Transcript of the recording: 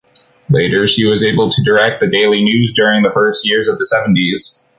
Later she was able to direct the “Daily News” during the first years of the seventies.